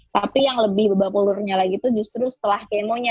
tapi yang lebih beba pulurnya lagi tuh justru setelah kemonya